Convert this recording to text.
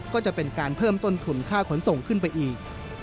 ก็จะเป็นการเพิ่มต้นทุนค่าขนส่งขึ้นไปอีก